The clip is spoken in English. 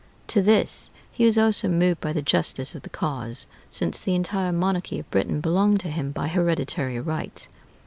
To this he was also moved by the justice of the cause, since the entire monarchy of Britain belonged to him by hereditary right.